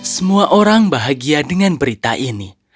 semua orang bahagia dengan berita ini